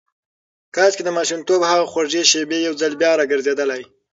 کاشکې د ماشومتوب هغه خوږې شېبې یو ځل بیا راګرځېدلای.